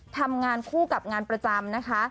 ทำงานคู่กับงานประจำนะคะ